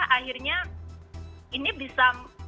akhirnya ini bisa